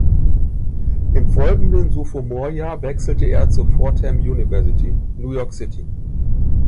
Im folgenden Sophomore-Jahr wechselte er zur Fordham University, New York City.